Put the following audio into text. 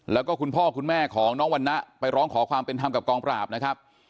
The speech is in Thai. แล้วก็คุณพ่อคุณแม่ของน้องวันนะไปร้องขอความเป็นธรรมกับกองปราบนะครับ